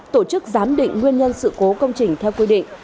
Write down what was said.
tổ chức giám định nguyên nhân sự cố công trình theo quy định